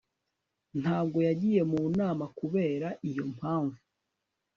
Ntabwo yagiye mu nama kubera iyo mpamvu